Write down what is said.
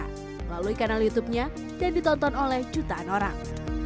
melalui kanal youtubenya dan ditonton oleh jutaan orang